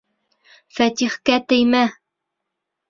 Фәтихкә теймә!